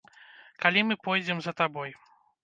Калі мы пойдзем за табой?